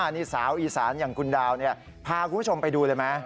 นี่สาวอีสานอย่างคุณดาวพาคุณผู้ชมไปดูเลยไหม